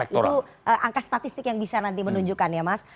itu angka statistik yang bisa nanti menunjukkan ya mas